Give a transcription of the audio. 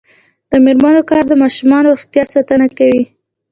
د میرمنو کار د ماشومانو روغتیا ساتنه کوي.